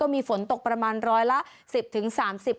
มีฝนตกประมาณร้อยละ๑๐๓๐องศาเซียส